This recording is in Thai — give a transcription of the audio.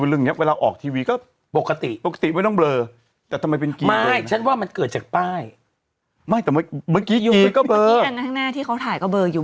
เมื่อกี้อันนั้นทางหน้าที่เขาถ่ายก็เบอร์อยู่